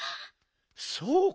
そうか！